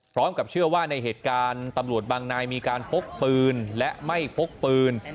พร้อมกับเชื่อว่าในเหตุการณ์ตำรวจบางนายมีการพกปืนและไม่พกปืน